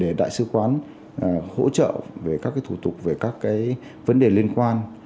để đại sứ quán hỗ trợ về các cái thủ tục về các cái vấn đề liên quan